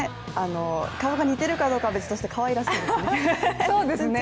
顔が似ているかどうかは別としてかわいらしいですね。